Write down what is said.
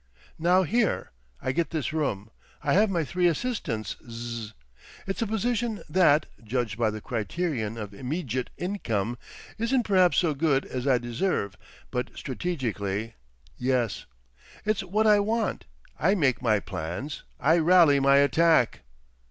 Now here.... I get this room. I have my three assistants. Zzzz. It's a position that, judged by the criterion of imeedjit income, isn't perhaps so good as I deserve, but strategically—yes. It's what I want. I make my plans. I rally my attack."